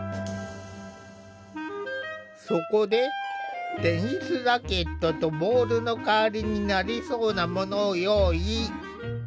そこでテニスラケットとボールの代わりになりそうなものを用意。